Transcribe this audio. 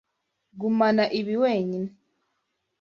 Gumana ibi wenyine.